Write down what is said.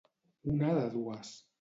Una de dues.